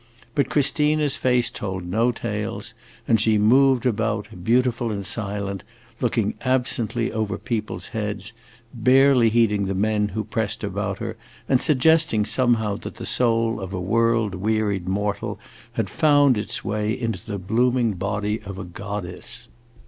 But Christina's face told no tales, and she moved about, beautiful and silent, looking absently over people's heads, barely heeding the men who pressed about her, and suggesting somehow that the soul of a world wearied mortal had found its way into the blooming body of a goddess.